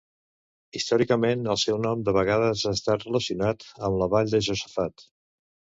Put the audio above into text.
Històricament, el seu nom de vegades ha estat relacionat amb la vall de Josafat.